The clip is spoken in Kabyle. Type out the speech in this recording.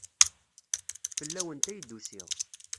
Fell-awent ay d-usiɣ.